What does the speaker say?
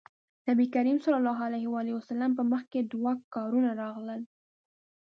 نبي کريم ص په مخکې دوه کارونه راغلل.